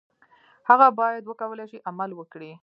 هغه باید وکولای شي عمل وکړي.